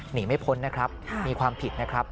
หนีไม่พ้นนะครับมีความผิดนะครับ